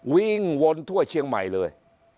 วิ่งวนทั่วเชียงใหม่เลย